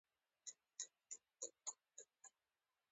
آیا د قسم خوړل د باور لپاره نه وي؟